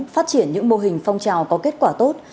phát triển những mô hình phong trào có kết quả tốt